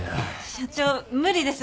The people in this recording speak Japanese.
社長無理です。